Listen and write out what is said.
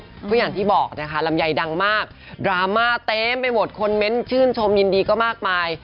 เพราะอย่างที่บอกนะคะลำไยดังมากดราม่าเต็มไปหมดคนเม้นต์ชื่นชมยินดีก็มากมาย